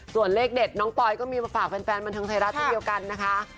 ส่วนเลขเด็ดน้องปอยก็มีมาฝากแฟนบันเทิงไทยรัฐเช่นเดียวกันนะคะ